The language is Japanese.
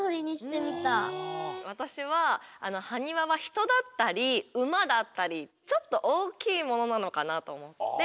わたしははにわはひとだったりうまだったりちょっとおおきいものなのかなとおもって。